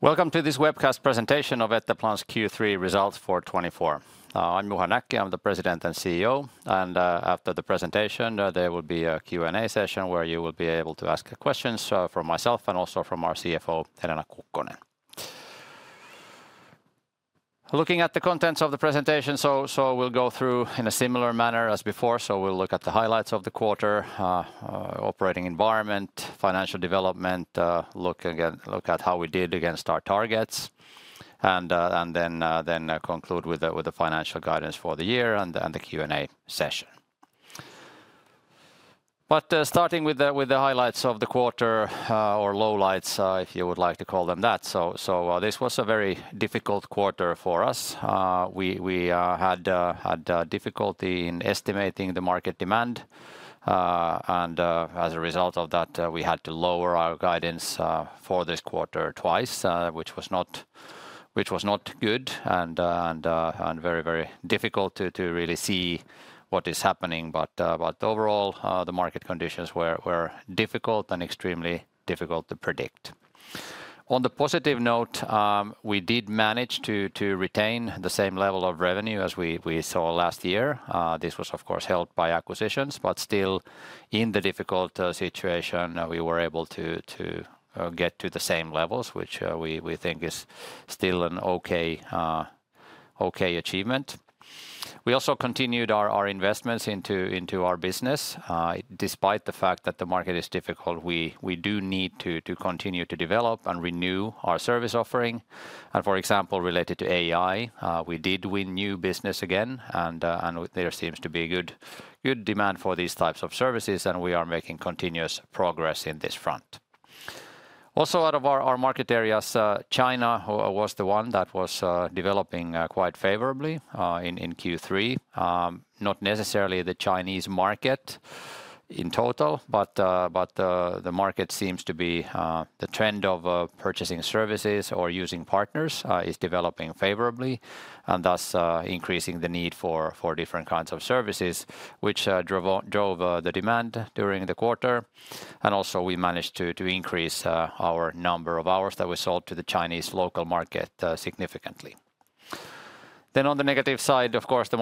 Welcome to this webcast presentation of Etteplan, Juha Näkki's Q3 Results for 2024. I'm Juha Näkki, I'm the President and CEO, and after the presentation there will be a Q&A session where you will be able to ask questions from myself and also from our CFO, Helena Kukkonen. Looking at the contents of the presentation, we'll go through in a similar manner as before. We'll look at the highlights of the quarter, operating environment, financial development, look at how we did against our targets, and then conclude with the financial guidance for the year and the Q&A session. But starting with the highlights of the quarter, or lowlights if you would like to call them that. This was a very difficult quarter for us. We had difficulty in estimating the market demand, and as a result of that, we had to lower our guidance for this quarter twice, which was not good and very, very difficult to really see what is happening. But overall, the market conditions were difficult and extremely difficult to predict. On the positive note, we did manage to retain the same level of revenue as we saw last year. This was, of course, helped by acquisitions, but still, in the difficult situation, we were able to get to the same levels, which we think is still an okay achievement. We also continued our investments into our business. Despite the fact that the market is difficult, we do need to continue to develop and renew our service offering. For example, related to AI, we did win new business again, and there seems to be good demand for these types of services, and we are making continuous progress in this front. Also, out of our market areas, China was the one that was developing quite favorably in Q3. Not necessarily the Chinese market in total, but the market seems to be the trend of purchasing services or using partners is developing favorably, and thus increasing the need for different kinds of services, which drove the demand during the quarter. Also, we managed to increase our number of hours that we sold to the Chinese local market significantly. Then, on the negative side, of course, the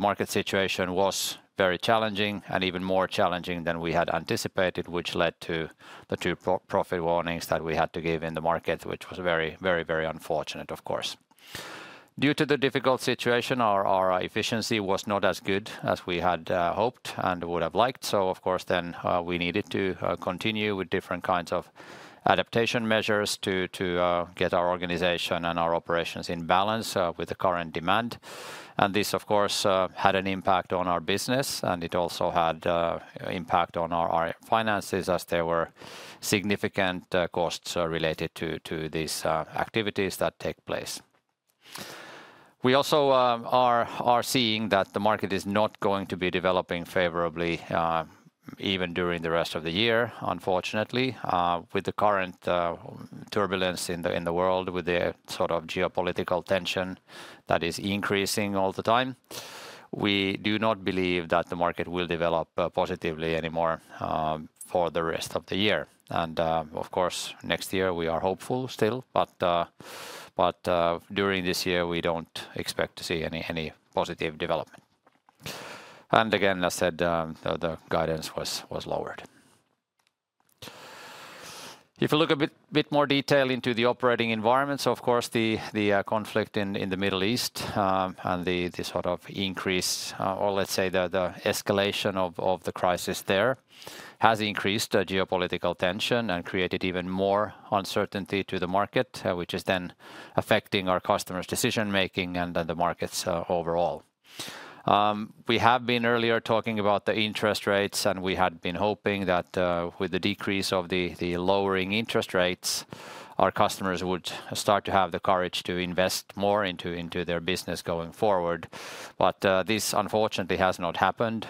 market situation was very challenging and even more challenging than we had anticipated, which led to the two profit warnings that we had to give in the market, which was very, very unfortunate, of course. Due to the difficult situation, our efficiency was not as good as we had hoped and would have liked. So, of course, then we needed to continue with different kinds of adaptation measures to get our organization and our operations in balance with the current demand. This, of course, had an impact on our business, and it also had an impact on our finances as there were significant costs related to these activities that take place. We also are seeing that the market is not going to be developing favorably even during the rest of the year, unfortunately. With the current turbulence in the world, with the sort of geopolitical tension that is increasing all the time, we do not believe that the market will develop positively anymore for the rest of the year. Of course, next year we are hopeful still, but during this year we don't expect to see any positive development. Again, as said, the guidance was lowered. If you look a bit more detail into the operating environment, of course, the conflict in the Middle East and the sort of increase, or let's say the escalation of the crisis there, has increased the geopolitical tension and created even more uncertainty to the market, which is then affecting our customers' decision-making and the markets overall. We have been earlier talking about the interest rates, and we had been hoping that with the decrease of the lowering interest rates, our customers would start to have the courage to invest more into their business going forward. But this, unfortunately, has not happened,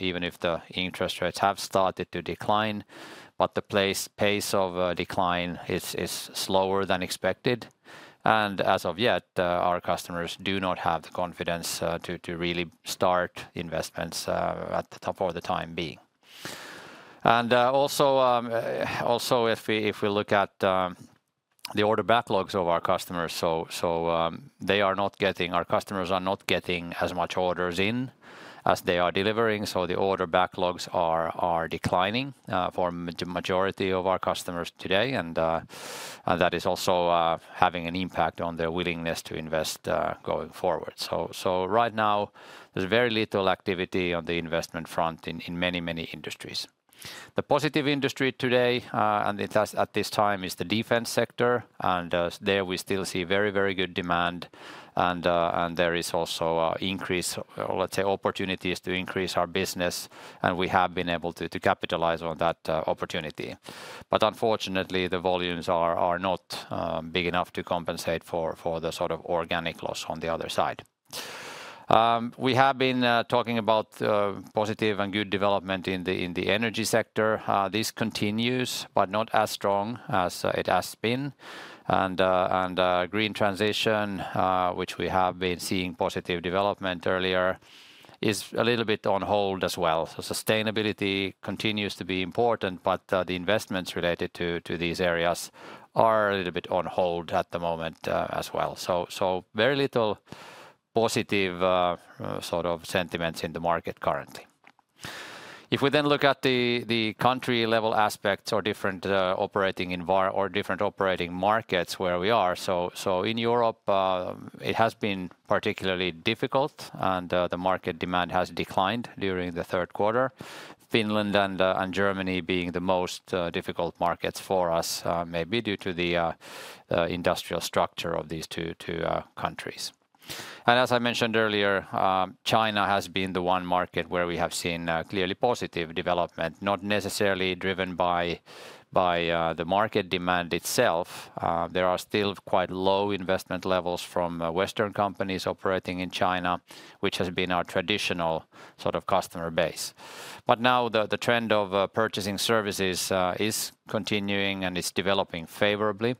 even if the interest rates have started to decline. But the pace of decline is slower than expected, and as of yet, our customers do not have the confidence to really start investments for the time being. Also, if we look at the order backlogs of our customers, they are not getting, our customers are not getting as much orders in as they are delivering. The order backlogs are declining for the majority of our customers today, and that is also having an impact on their willingness to invest going forward. Right now, there's very little activity on the investment front in many, many industries. The positive industry today, at this time, is the defense sector, and there we still see very, very good demand, and there is also increase, let's say, opportunities to increase our business, and we have been able to capitalize on that opportunity. But unfortunately, the volumes are not big enough to compensate for the sort of organic loss on the other side. We have been talking about positive and good development in the energy sector. This continues, but not as strong as it has been. Green transition, which we have been seeing positive development earlier, is a little bit on hold as well. Sustainability continues to be important, but the investments related to these areas are a little bit on hold at the moment as well. Very little positive sort of sentiments in the market currently. If we then look at the country-level aspects or different operating markets where we are, in Europe it has been particularly difficult, and the market demand has declined during the Q3. Finland and Germany being the most difficult markets for us, maybe due to the industrial structure of these two countries. As I mentioned earlier, China has been the one market where we have seen clearly positive development, not necessarily driven by the market demand itself. There are still quite low investment levels from Western companies operating in China, which has been our traditional sort of customer base. But now the trend of purchasing services is continuing and is developing favorably,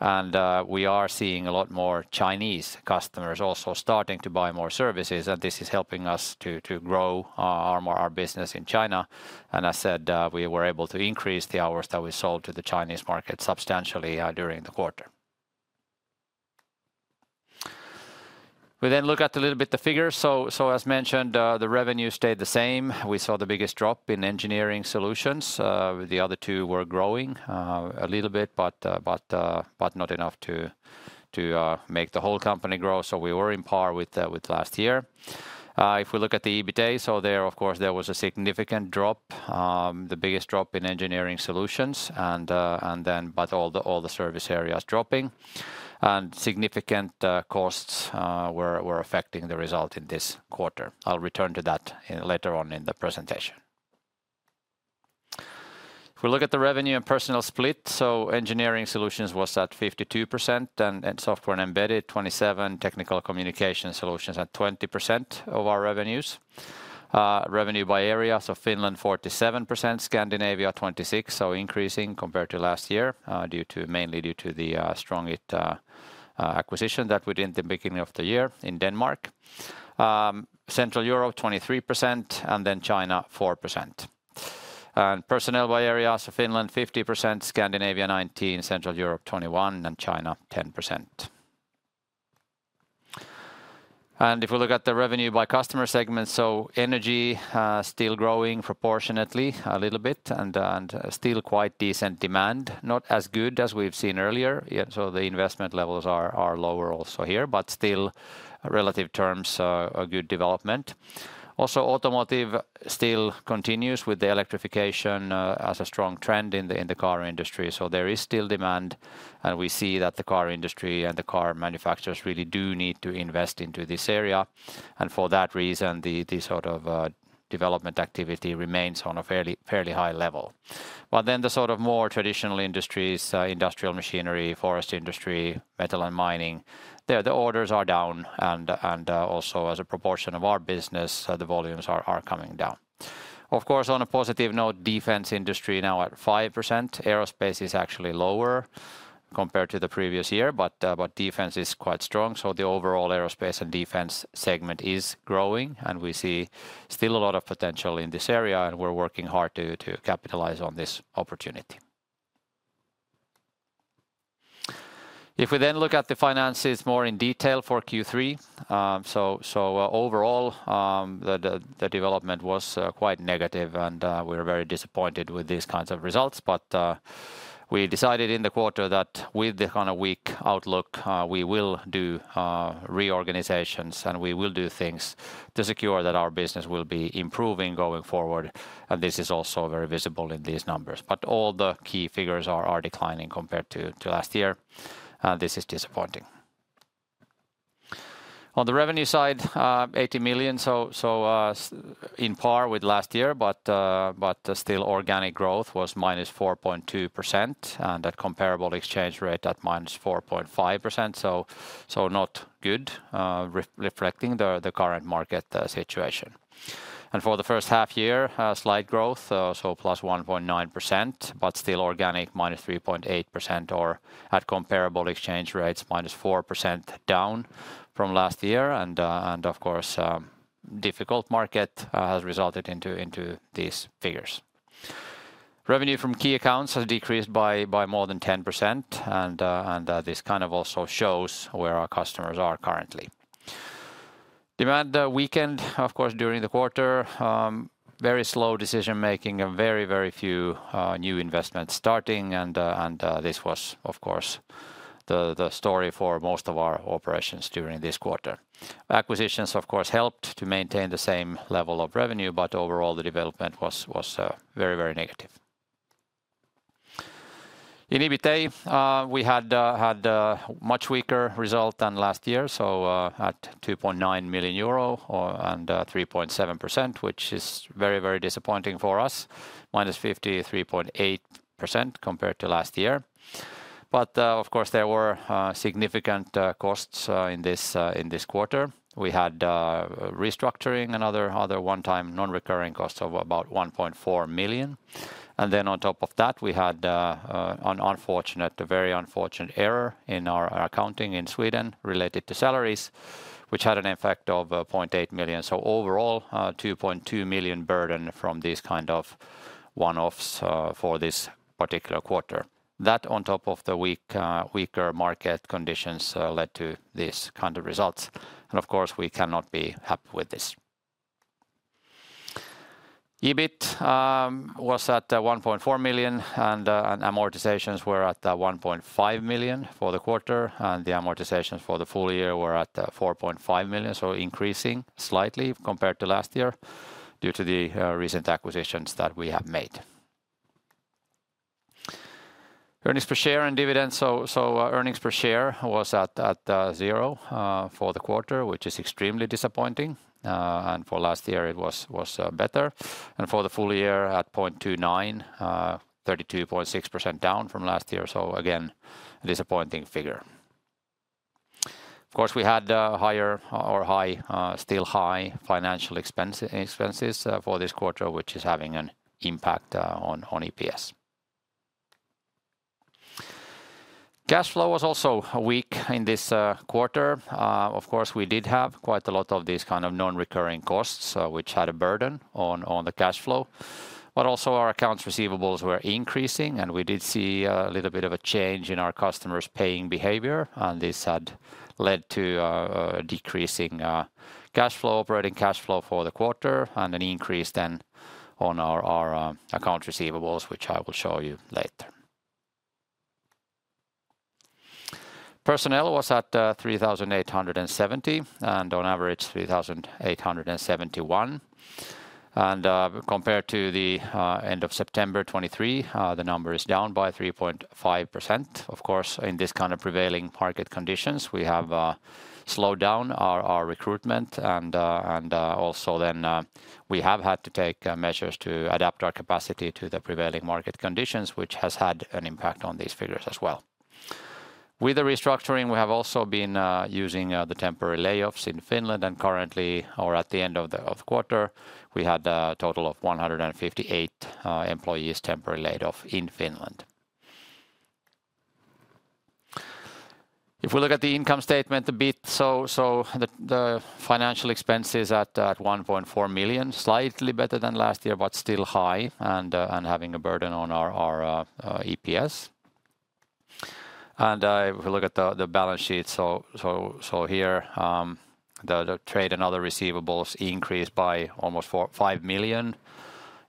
and we are seeing a lot more Chinese customers also starting to buy more services, and this is helping us to grow our business in China. As I said, we were able to increase the hours that we sold to the Chinese market substantially during the quarter. We then look at a little bit the figures. As mentioned, the revenue stayed the same. We saw the biggest drop in Engineering Solutions. The other two were growing a little bit, but not enough to make the whole company grow, so we were on par with last year. If we look at the EBITDA, of course, there was a significant drop, the biggest drop in Engineering Solutions, but all the service areas dropping, and significant costs were affecting the result in this quarter. I'll return to that later on in the presentation. If we look at the revenue and personnel split, Engineering Solutions was at 52%, and Software and Embedded 27%, Technical Communication Solutions at 20% of our revenues. Revenue by areas of Finland 47%, Scandinavia 26%, so increasing compared to last year, mainly due to the strong acquisition that we did in the beginning of the year in Denmark. Central Europe 23%, and then China 4%. Personnel by areas of Finland 50%, Scandinavia 19%, Central Europe 21%, and China 10%. If we look at the revenue by customer segments, energy still growing proportionately a little bit, and still quite decent demand, not as good as we've seen earlier. The investment levels are lower also here, but still, in relative terms, a good development. Also, automotive still continues with the electrification as a strong trend in the car industry, so there is still demand, and we see that the car industry and the car manufacturers really do need to invest into this area. For that reason, the sort of development activity remains on a fairly high level. But then the sort of more traditional industries, industrial machinery, forest industry, metal and mining, the orders are down, and also as a proportion of our business, the volumes are coming down. Of course, on a positive note, defense industry now at 5%. Aerospace is actually lower compared to the previous year, but defense is quite strong, so the overall aerospace and defense segment is growing, and we see still a lot of potential in this area, and we're working hard to capitalize on this opportunity. If we then look at the finances more in detail for Q3, overall, the development was quite negative, and we were very disappointed with these kinds of results. But we decided in the quarter that with the kind of weak outlook, we will do reorganizations, and we will do things to secure that our business will be improving going forward, and this is also very visible in these numbers. But all the key figures are declining compared to last year, and this is disappointing. On the revenue side, 80 million, so on par with last year, but still organic growth was minus 4.2%, and that comparable exchange rate at minus 4.5%, so not good, reflecting the current market situation. For the first half year, slight growth, so plus 1.9%, but still organic minus 3.8%, or at comparable exchange rates, minus 4% down from last year. Of course, difficult market has resulted in these figures. Revenue from key accounts has decreased by more than 10%, and this kind of also shows where our customers are currently. Demand weakened, of course, during the quarter. Very slow decision-making and very, very few new investments starting, and this was, of course, the story for most of our operations during this quarter. Acquisitions, of course, helped to maintain the same level of revenue, but overall, the development was very, very negative. In EBITDA, we had a much weaker result than last year, so at 2.9 million euro and 3.7%, which is very, very disappointing for us, minus 53.8% compared to last year. But, of course, there were significant costs in this quarter. We had restructuring and other one-time non-recurring costs of about 1.4 million. Then, on top of that, we had an unfortunate, very unfortunate error in our accounting in Sweden related to salaries, which had an effect of 0.8 million. Overall, 2.2 million burden from these kind of one-offs for this particular quarter. That, on top of the weaker market conditions, led to these kind of results. Of course, we cannot be happy with this. EBIT was at 1.4 million, and amortizations were at 1.5 million for the quarter, and the amortizations for the full year were at 4.5 million, so increasing slightly compared to last year due to the recent acquisitions that we have made. Earnings per share and dividends, so earnings per share was at zero for the quarter, which is extremely disappointing, and for last year it was better. For the full year, at 0.29, 32.6% down from last year, so again, a disappointing figure. Of course, we had higher, or still high, financial expenses for this quarter, which is having an impact on EPS. Cash flow was also weak in this quarter. Of course, we did have quite a lot of these kind of non-recurring costs, which had a burden on the cash flow. But also, our accounts receivables were increasing, and we did see a little bit of a change in our customers' paying behavior, and this had led to a decreasing cash flow, operating cash flow for the quarter, and an increase then on our accounts receivables, which I will show you later. Personnel was at 3,870, and on average 3,871. Compared to the end of September 2023, the number is down by 3.5%. Of course, in this kind of prevailing market conditions, we have slowed down our recruitment, and also then we have had to take measures to adapt our capacity to the prevailing market conditions, which has had an impact on these figures as well. With the restructuring, we have also been using the temporary layoffs in Finland, and currently, or at the end of the quarter, we had a total of 158 employees temporarily laid off in Finland. If we look at the income statement a bit, so the financial expenses at 1.4 million, slightly better than last year, but still high, and having a burden on our EPS. If we look at the balance sheet, so here the trade and other receivables increased by almost 5 million.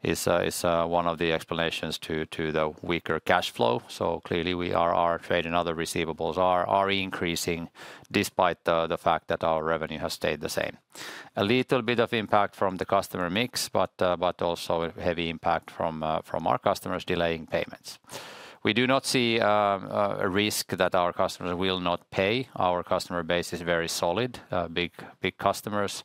It's one of the explanations to the weaker cash flow, so clearly our trade and other receivables are increasing despite the fact that our revenue has stayed the same. A little bit of impact from the customer mix, but also a heavy impact from our customers delaying payments. We do not see a risk that our customers will not pay. Our customer base is very solid, big customers,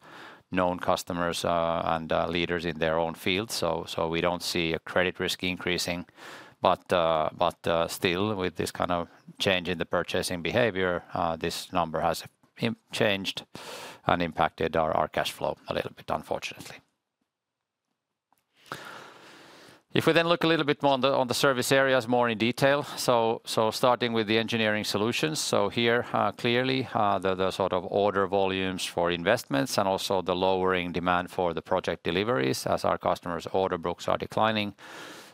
known customers, and leaders in their own field, so we don't see a credit risk increasing. But still, with this kind of change in the purchasing behavior, this number has changed and impacted our cash flow a little bit, unfortunately. If we then look a little bit more on the service areas more in detail, starting with the Engineering Solutions, so here clearly the sort of order volumes for investments and also the lowering demand for the project deliveries as our customers order books are declining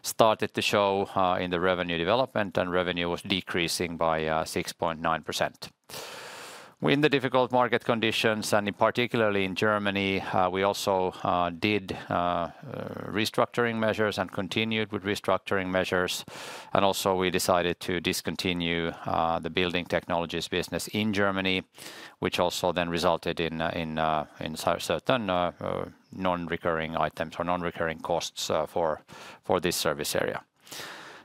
started to show in the revenue development, and revenue was decreasing by 6.9%. In the difficult market conditions, and particularly in Germany, we also did restructuring measures and continued with restructuring measures, and also we decided to discontinue the Building Technologies business in Germany, which also then resulted in certain non-recurring items or non-recurring costs for this service area.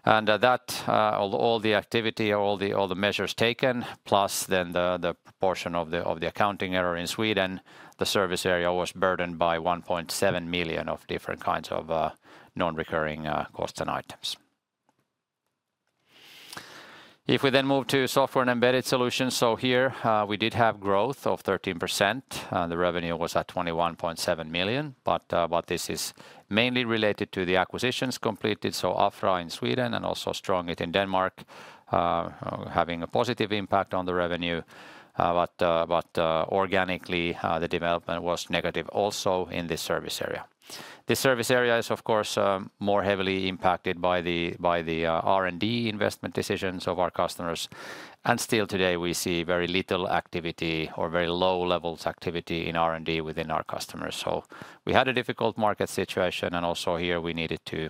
All the activity, all the measures taken, plus then the portion of the accounting error in Sweden, the service area was burdened by 1.7 million of different kinds of non-recurring costs and items. If we then move to Software and Embedded Solutions, so here we did have growth of 13%, and the revenue was at 21.7 million, but this is mainly related to the acquisitions completed, so Afra in Sweden and also StrongIT in Denmark having a positive impact on the revenue, but organically the development was negative also in this service area. This service area is, of course, more heavily impacted by the R&D investment decisions of our customers, and still today we see very little activity or very low levels of activity in R&D within our customers. We had a difficult market situation, and also here we needed to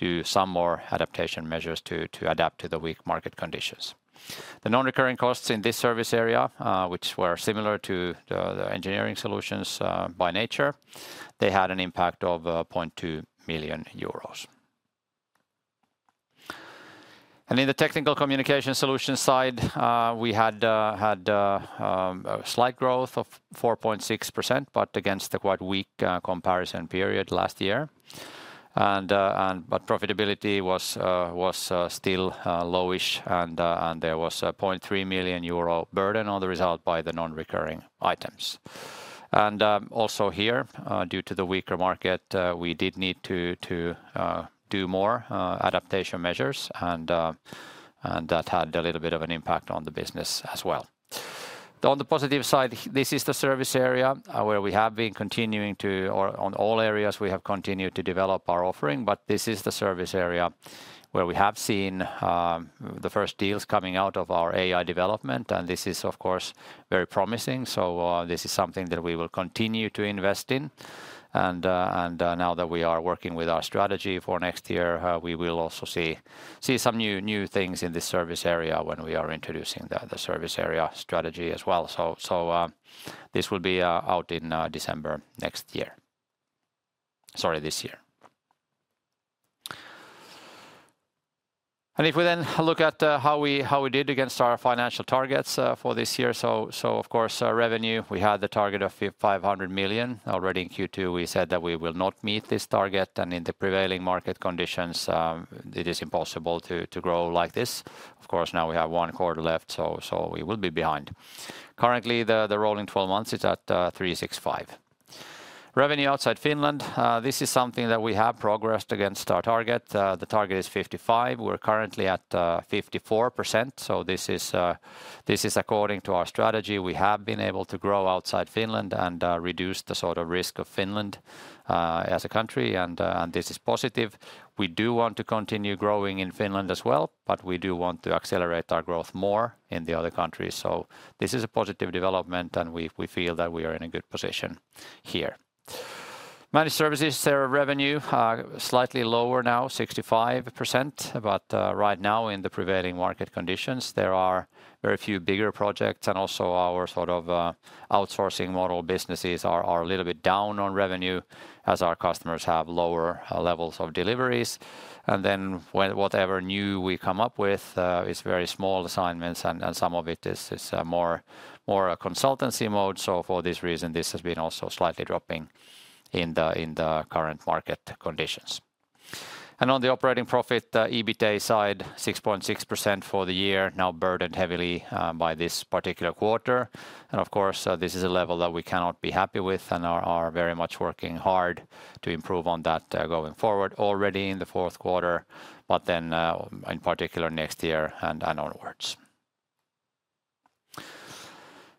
do some more adaptation measures to adapt to the weak market conditions. The non-recurring costs in this service area, which were similar to the Engineering Solutions by nature, they had an impact of 0.2 million euros. In the technical communication solution side, we had a slight growth of 4.6%, but against a quite weak comparison period last year. But profitability was still lowish, and there was a 0.3 million euro burden on the result by the non-recurring items. Also here, due to the weaker market, we did need to do more adaptation measures, and that had a little bit of an impact on the business as well. On the positive side, this is the service area where we have been continuing to, or on all areas we have continued to develop our offering, but this is the service area where we have seen the first deals coming out of our AI development, and this is, of course, very promising, so this is something that we will continue to invest in. Now that we are working with our strategy for next year, we will also see some new things in this service area when we are introducing the service area strategy as well, so this will be out in December next year. Sorry, this year. If we then look at how we did against our financial targets for this year, so of course, revenue, we had the target of 500 million. Already in Q2, we said that we will not meet this target, and in the prevailing market conditions, it is impossible to grow like this. Of course, now we have one quarter left, so we will be behind. Currently, the rolling 12 months is at 365 million. Revenue outside Finland, this is something that we have progressed against our target. The target is 55%. We're currently at 54%, so this is according to our strategy. We have been able to grow outside Finland and reduce the sort of risk of Finland as a country, and this is positive. We do want to continue growing in Finland as well, but we do want to accelerate our growth more in the other countries, so this is a positive development, and we feel that we are in a good position here. Managed Services revenue, slightly lower now, 65%, but right now in the prevailing market conditions, there are very few bigger projects, and also our sort of outsourcing model businesses are a little bit down on revenue as our customers have lower levels of deliveries. Then whatever new we come up with is very small assignments, and some of it is consultancy mode, so for this reason, this has been also slightly dropping in the current market conditions. On the operating profit, EBITDA side, 6.6% for the year, now burdened heavily by this particular quarter, and of course, this is a level that we cannot be happy with and are very much working hard to improve on that going forward already in the Q4, but then in particular next year and onwards.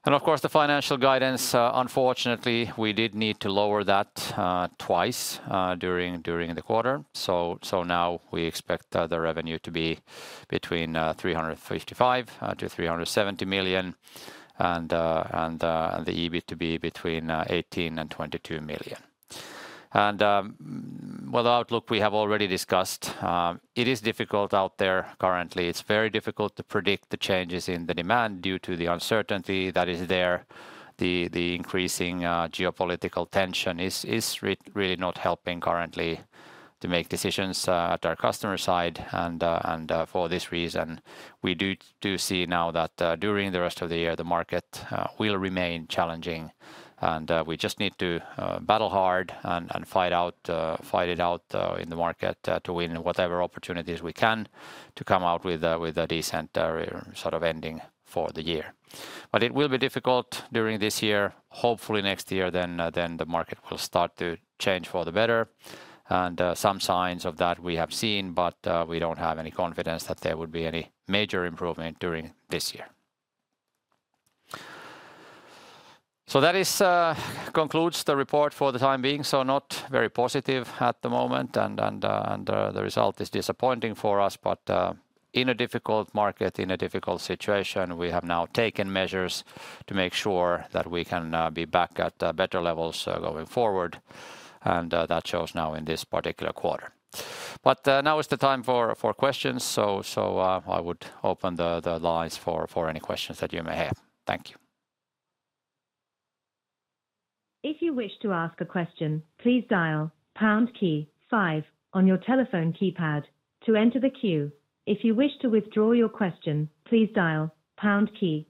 Of course, the financial guidance, unfortunately, we did need to lower that twice during the quarter, so now we expect the revenue to be between 355 million to 370 million and the EBIT to be between 18 million and 22 million. The outlook we have already discussed, it is difficult out there currently. It's very difficult to predict the changes in the demand due to the uncertainty that is there. The increasing geopolitical tension is really not helping currently to make decisions at our customer side, and for this reason, we do see now that during the rest of the year, the market will remain challenging, and we just need to battle hard and fight it out in the market to win whatever opportunities we can to come out with a decent sort of ending for the year. But it will be difficult during this year. Hopefully, next year, then the market will start to change for the better, and some signs of that we have seen, but we don't have any confidence that there would be any major improvement during this year. That concludes the report for the time being, so not very positive at the moment, and the result is disappointing for us, but in a difficult market, in a difficult situation, we have now taken measures to make sure that we can be back at better levels going forward, and that shows now in this particular quarter. But now is the time for questions, so I would open the lines for any questions that you may have. Thank you. If you wish to ask a question, please dial pound key five on your telephone keypad to enter the queue. If you wish to withdraw your question, please dial #6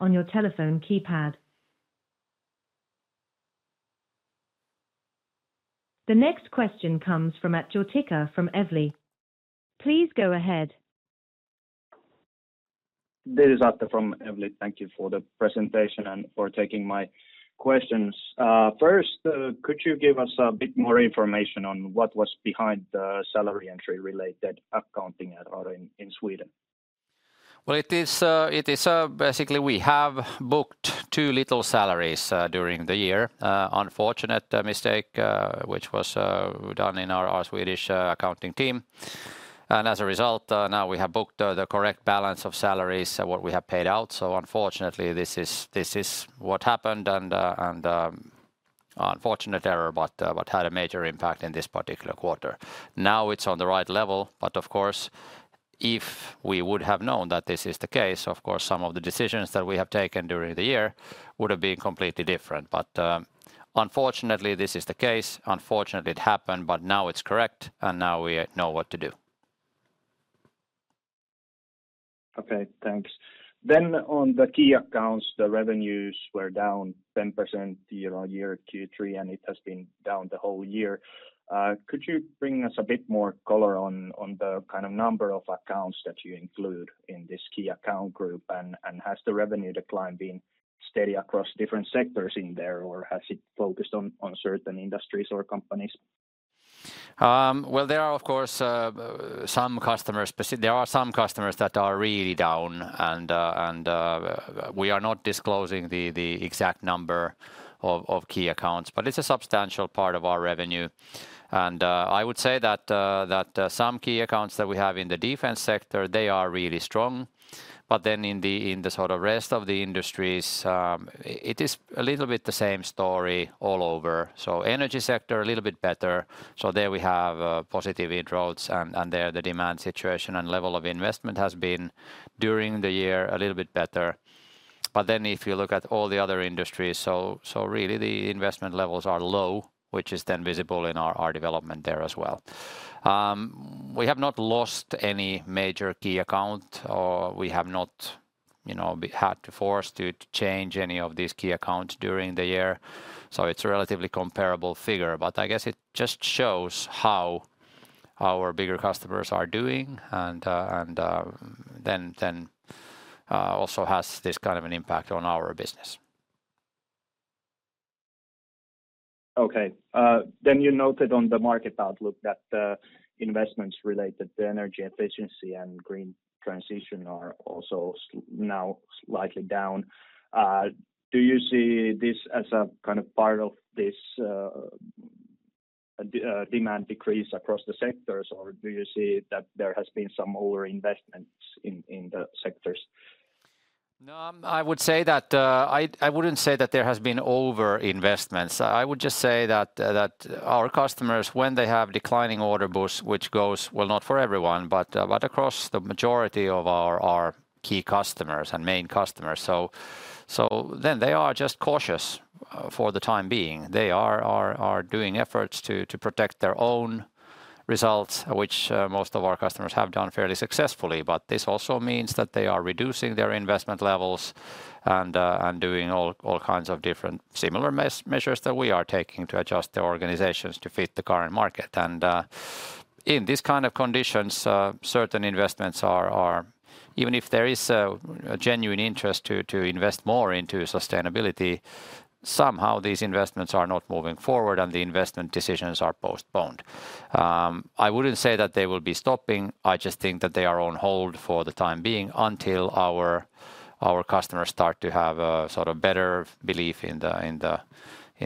on your telephone keypad. The next question comes from Arttu Heikura from Evli. Please go ahead. This is Arttu from Evli. Thank you for the presentation and for taking my questions. First, could you give us a bit more information on what was behind the salary entry related accounting error in Sweden? It is basically we have booked too little salaries during the year, unfortunate mistake, which was done in our Swedish accounting team, and as a result, now we have booked the correct balance of salaries, what we have paid out, so unfortunately, this is what happened, and unfortunate error, but had a major impact in this particular quarter. Now it's on the right level, but of course, if we would have known that this is the case, of course, some of the decisions that we have taken during the year would have been completely different. But unfortunately, this is the case. Unfortunately, it happened, but now it's correct, and now we know what to do. Okay, thanks. Then on the key accounts, the revenues were down 10% year on year Q3, and it has been down the whole year. Could you bring us a bit more color on the kind of number of accounts that you include in this key account group, and has the revenue decline been steady across different sectors in there, or has it focused on certain industries or companies? Well, there are of course some customers, there are some customers that are really down, and we are not disclosing the exact number of key accounts, but it's a substantial part of our revenue. I would say that some key accounts that we have in the defense sector, they are really strong, but then in the sort of rest of the industries, it is a little bit the same story all over. So energy sector, a little bit better, so there we have positive inroads, and there the demand situation and level of investment has been during the year a little bit better. But then if you look at all the other industries, so really the investment levels are low, which is then visible in our development there as well. We have not lost any major key account, or we have not had to force to change any of these key accounts during the year, so it's a relatively comparable figure, but I guess it just shows how our bigger customers are doing, and then also has this kind of an impact on our business. Okay, then you noted on the market outlook that the investments related to energy efficiency and green transition are also now slightly down. Do you see this as a kind of part of this demand decrease across the sectors, or do you see that there has been some over-investment in the sectors? I would say that I wouldn't say that there has been over-investments. I would just say that our customers, when they have declining order books, which goes, well, not for everyone, but across the majority of our key customers and main customers, so then they are just cautious for the time being. They are doing efforts to protect their own results, which most of our customers have done fairly successfully, but this also means that they are reducing their investment levels and doing all kinds of different similar measures that we are taking to adjust the organizations to fit the current market. In this kind of conditions, certain investments are, even if there is a genuine interest to invest more into sustainability, somehow these investments are not moving forward, and the investment decisions are postponed. I wouldn't say that they will be stopping. I just think that they are on hold for the time being until our customers start to have a sort of better belief in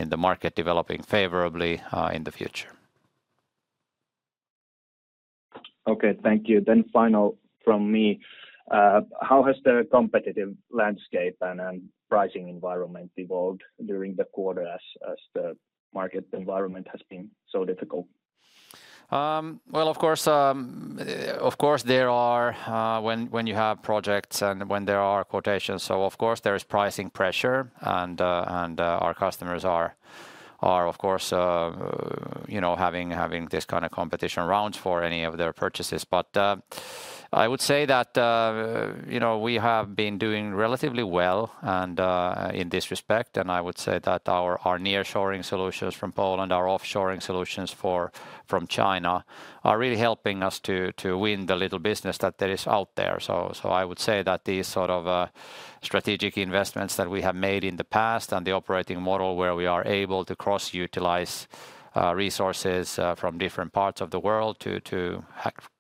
the market developing favorably in the future. Okay, thank you. Then final from me, how has the competitive landscape and pricing environment evolved during the quarter as the market environment has been so difficult? Of course, there are when you have projects and when there are quotations, so of course there is pricing pressure, and our customers are of course having this kind of competition rounds for any of their purchases, but I would say that we have been doing relatively well in this respect, and I would say that our nearshoring solutions from Poland, our offshoring solutions from China are really helping us to win the little business that there is out there. So I would say that these sort of strategic investments that we have made in the past and the operating model where we are able to cross-utilize resources from different parts of the world to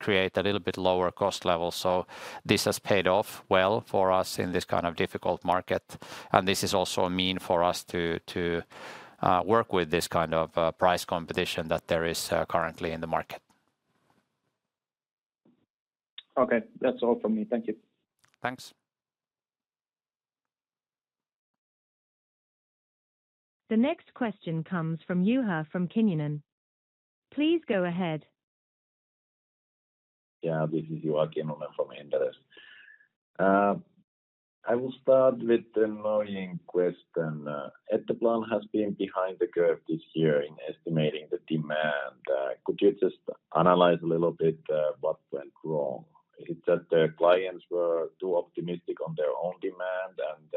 create a little bit lower cost level, so this has paid off well for us in this kind of difficult market, and this is also a means for us to work with this kind of price competition that there is currently in the market. Okay, that's all from me. Thank you. Thanks. The next question comes from Juha Kinnunen. Please go ahead. Yeah, this is Juha Kinnunen from Inderes. I will start with the annoying question. Etteplan has been behind the curve this year in estimating the demand. Could you just analyze a little bit what went wrong? Is it that the clients were too optimistic on their own demand, and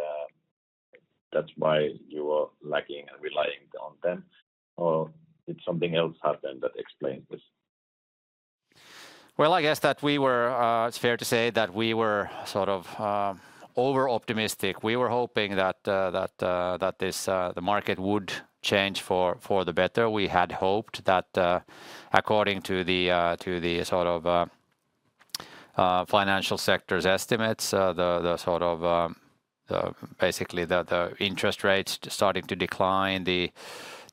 that's why you were lacking and relying on them, or did something else happen that explains this? Well, I guess that we were. It's fair to say that we were sort of over-optimistic. We were hoping that the market would change for the better. We had hoped that, according to the sort of financial sector's estimates, the sort of basically the interest rates starting to decline, the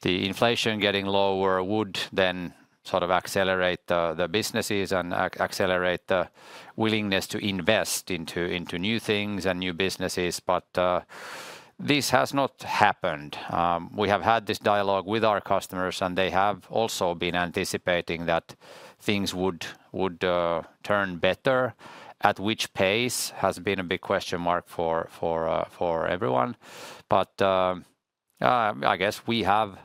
inflation getting lower, would then sort of accelerate the businesses and accelerate the willingness to invest into new things and new businesses, but this has not happened. We have had this dialogue with our customers, and they have also been anticipating that things would turn better. At which pace has been a big question mark for everyone, but I guess we have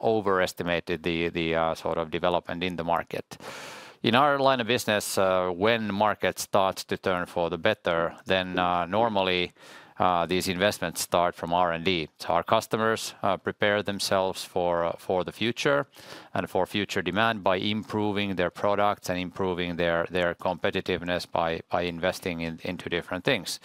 overestimated the sort of development in the market. In our line of business, when markets start to turn for the better, then normally these investments start from R&D. So our customers prepare themselves for the future and for future demand by improving their products and improving their competitiveness by investing into different things.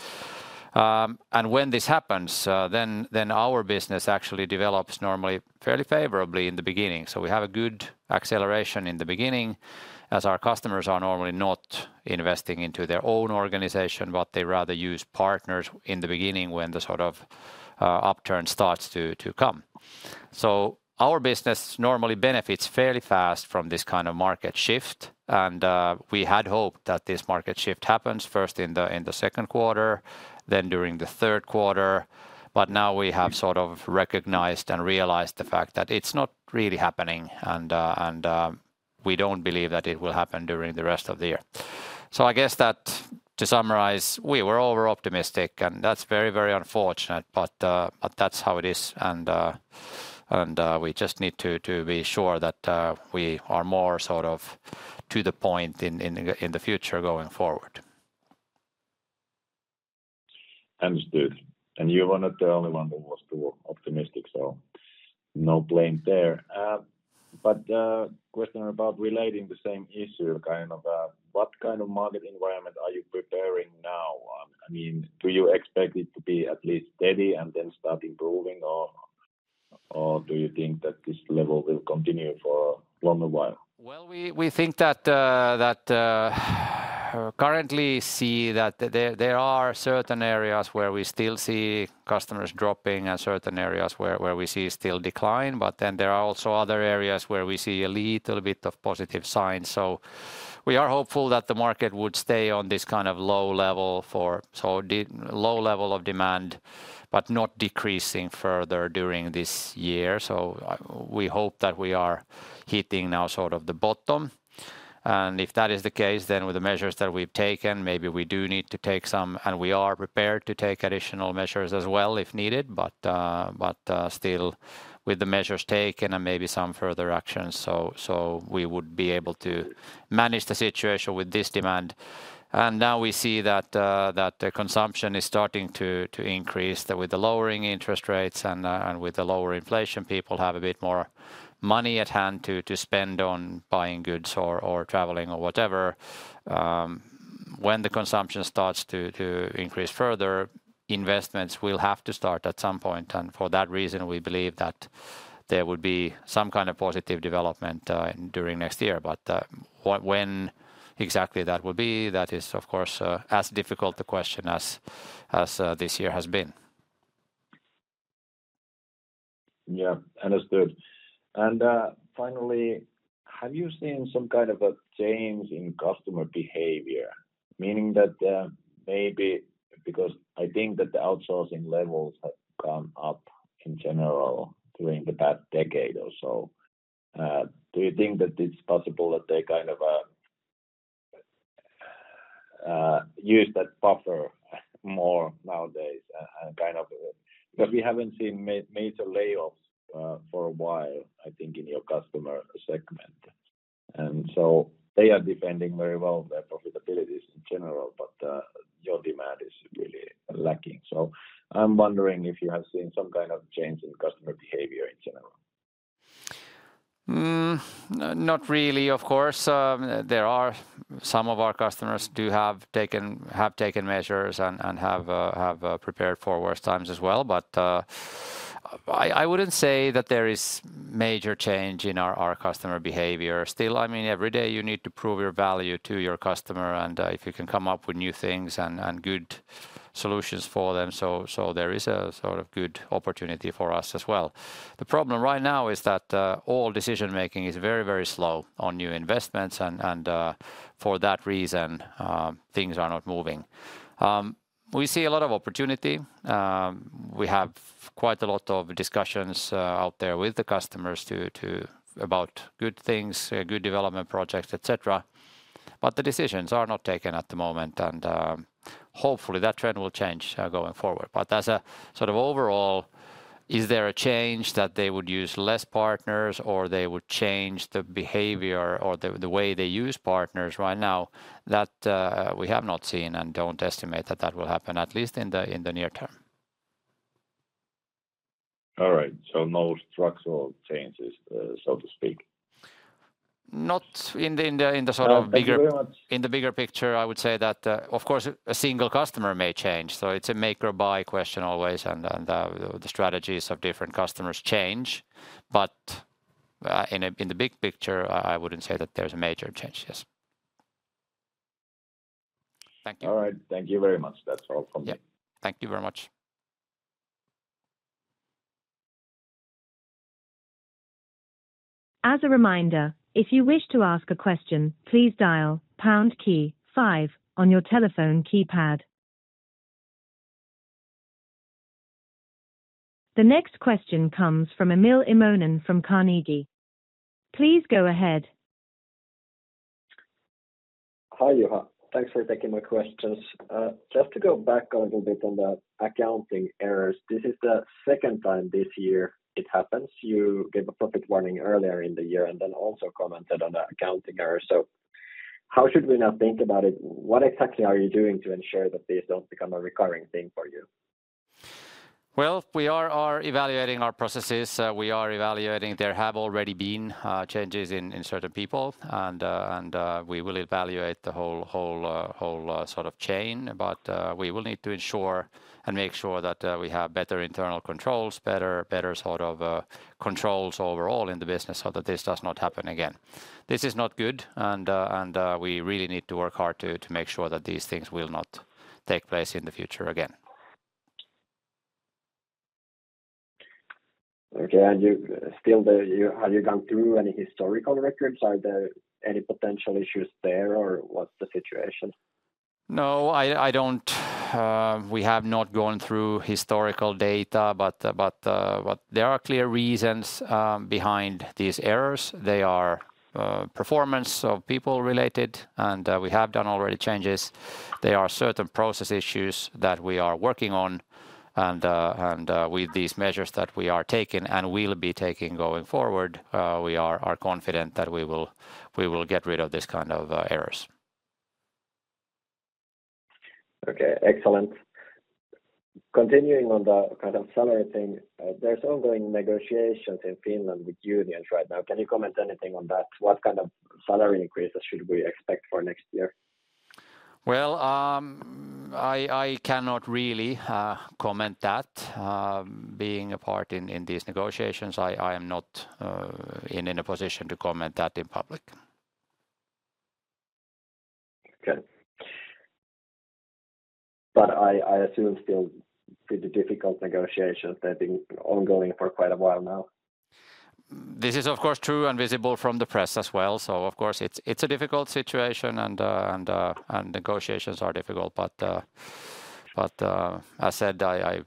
And when this happens, then our business actually develops normally fairly favorably in the beginning, so we have a good acceleration in the beginning as our customers are normally not investing into their own organization, but they rather use partners in the beginning when the sort of upturn starts to come. So our business normally benefits fairly fast from this kind of market shift, and we had hope that this market shift happens first in the Q2, then during the Q3, but now we have sort of recognized and realized the fact that it's not really happening, and we don't believe that it will happen during the rest of the year. So I guess that to summarize, we were over-optimistic, and that's very, very unfortunate, but that's how it is, and we just need to be sure that we are more sort of to the point in the future going forward. Understood. And you were not the only one who was too optimistic, so no blame there. But question about relating the same issue, kind of what kind of market environment are you preparing now? I mean, do you expect it to be at least steady and then start improving, or do you think that this level will continue for a longer while? Well, we think that currently see that there are certain areas where we still see customers dropping and certain areas where we see still decline, but then there are also other areas where we see a little bit of positive signs, so we are hopeful that the market would stay on this kind of low level of demand, but not decreasing further during this year. So we hope that we are hitting now sort of the bottom, and if that is the case, then with the measures that we've taken, maybe we do need to take some, and we are prepared to take additional measures as well if needed, but still with the measures taken and maybe some further actions, so we would be able to manage the situation with this demand. Now we see that consumption is starting to increase with the lowering interest rates, and with the lower inflation, people have a bit more money at hand to spend on buying goods or traveling or whatever. When the consumption starts to increase further, investments will have to start at some point, and for that reason, we believe that there would be some kind of positive development during next year, but when exactly that will be, that is of course as difficult a question as this year has been. Yeah, understood. And finally, have you seen some kind of a change in customer behavior, meaning that maybe because I think that the outsourcing levels have gone up in general during the past decade or so, do you think that it's possible that they kind of use that buffer more nowadays and kind of, because we haven't seen major layoffs for a while, I think in your customer segment, and so they are defending very well their profitabilities in general, but your demand is really lacking? So I'm wondering if you have seen some kind of change in customer behavior in general. Not really, of course. There are some of our customers who have taken measures and have prepared for worse times as well, but I wouldn't say that there is major change in our customer behavior. Still, I mean, every day you need to prove your value to your customer, and if you can come up with new things and good solutions for them, so there is a sort of good opportunity for us as well. The problem right now is that all decision-making is very, very slow on new investments, and for that reason, things are not moving. We see a lot of opportunity. We have quite a lot of discussions out there with the customers about good things, good development projects, etc., but the decisions are not taken at the moment, and hopefully that trend will change going forward. But as a sort of overall, is there a change that they would use less partners or they would change the behavior or the way they use partners right now? That we have not seen and don't estimate that that will happen at least in the near term. All right, so no structural changes, so to speak. Not in the sort of bigger picture. In the bigger picture, I would say that of course a single customer may change, so it's a make or buy question always, and the strategies of different customers change, but in the big picture, I wouldn't say that there's a major change, yes. Thank you. All right, thank you very much. That's all from me. Thank you very much. As a reminder, if you wish to ask a question, please dial #5 on your telephone keypad. The next question comes from Emil Immonen from Carnegie. Please go ahead. Hi Juha, thanks for taking my questions. Just to go back a little bit on the accounting errors, this is the second time this year it happens. You gave a profit warning earlier in the year and then also commented on the accounting errors, so how should we now think about it? What exactly are you doing to ensure that these don't become a recurring thing for you? Well, we are evaluating our processes. We are evaluating there have already been changes in certain people, and we will evaluate the whole sort of chain, but we will need to ensure and make sure that we have better internal controls, better sort of controls overall in the business so that this does not happen again. This is not good, and we really need to work hard to make sure that these things will not take place in the future again. Okay, and you still, have you gone through any historical records? Are there any potential issues there, or what's the situation? No, we have not gone through historical data, but there are clear reasons behind these errors. They are performance of people related, and we have done already changes. There are certain process issues that we are working on, and with these measures that we are taking and will be taking going forward, we are confident that we will get rid of this kind of errors. Okay, excellent. Continuing on the kind of salary thing, there's ongoing negotiations in Finland with unions right now. Can you comment anything on that? What kind of salary increases should we expect for next year? Well, I cannot really comment that. Being a part in these negotiations, I am not in a position to comment that in public. Okay, but I assume still pretty difficult negotiations. They've been ongoing for quite a while now. This is of course true and visible from the press as well, so of course it's a difficult situation and negotiations are difficult, but as said, I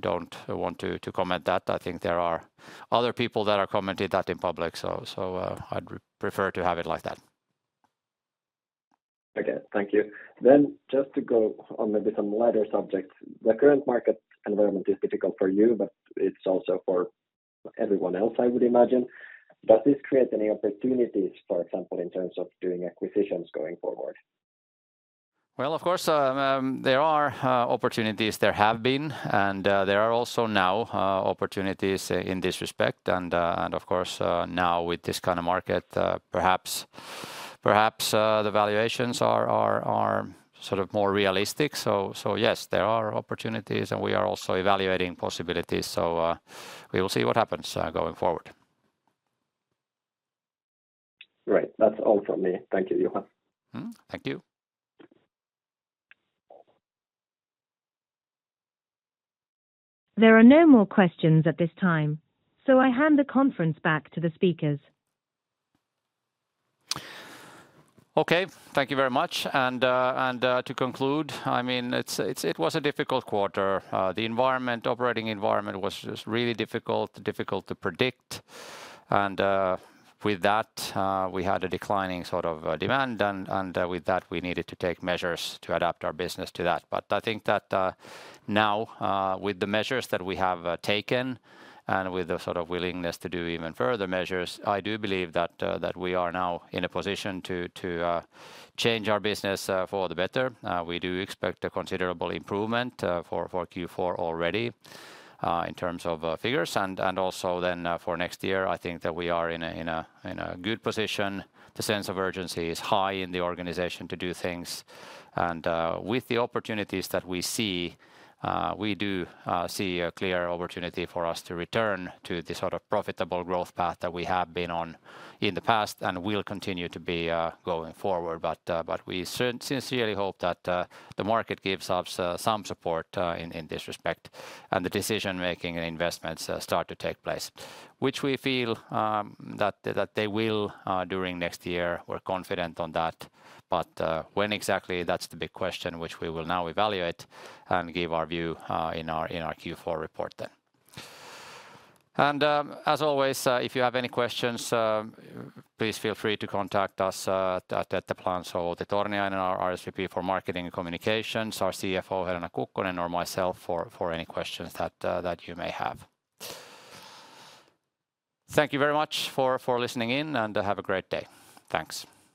don't want to comment that. I think there are other people that are commenting that in public, so I'd prefer to have it like that. Okay, thank you. Then just to go on maybe some lighter subjects, the current market environment is difficult for you, but it's also for everyone else, I would imagine. Does this create any opportunities, for example, in terms of doing acquisitions going forward? Well, of course there are opportunities. There have been, and there are also now opportunities in this respect, and of course now with this kind of market, perhaps the valuations are sort of more realistic, so yes, there are opportunities, and we are also evaluating possibilities, so we will see what happens going forward. Right, that's all from me. Thank you, Juha. Thank you. There are no more questions at this time, so I hand the conference back to the speakers. Okay, thank you very much, and to conclude, It was a difficult quarter. The environment, operating environment, was just really difficult to predict, and with that, we had a declining sort of demand, and with that, we needed to take measures to adapt our business to that. But I think that now, with the measures that we have taken and with the sort of willingness to do even further measures, I do believe that we are now in a position to change our business for the better. We do expect a considerable improvement for Q4 already in terms of figures, and also then for next year, I think that we are in a good position. The sense of urgency is high in the organization to do things, and with the opportunities that we see, we do see a clear opportunity for us to return to the sort of profitable growth path that we have been on in the past and will continue to be going forward. But we sincerely hope that the market gives us some support in this respect and the decision-making and investments start to take place, which we feel that they will during next year. We're confident on that, but when exactly, that's the big question, which we will now evaluate and give our view in our Q4 report then. And as always, if you have any questions, please feel free to contact us at Etteplan, Outi Torniainen and our SVP for marketing and communications, our CFO Helena Kukkonen or myself for any questions that you may have. Thank you very much for listening in, and have a great day. Thanks.